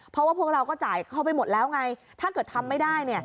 เพราะว่าพวกเราก็จ่ายเข้าไปหมดแล้วไงถ้าเกิดทำไม่ได้